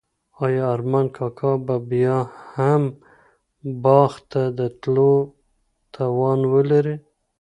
آیا ارمان کاکا به بیا هم باغ ته د تلو توان ولري؟